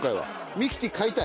ミキティ買いたい？